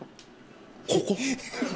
ここ。